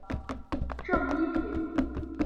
正一品。